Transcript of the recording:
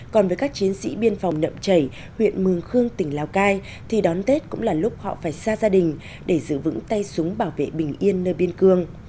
còn với các chiến sĩ biên phòng nậm chảy huyện mường khương tỉnh lào cai thì đón tết cũng là lúc họ phải xa gia đình để giữ vững tay súng bảo vệ bình yên nơi biên cương